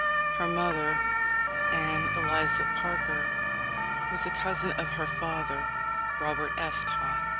Her mother, Anne Eliza Parker, was a cousin of her father, Robert S. Todd.